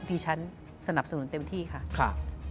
ดิฉันสนับสนุนเต็มที่ค่ะ